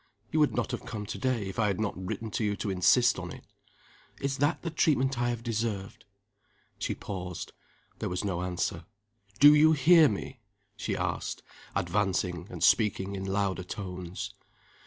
You would not have come to day, if I had not written to you to insist on it. Is that the treatment I have deserved?" She paused. There was no answer. "Do you hear me?" she asked, advancing and speaking in louder tones.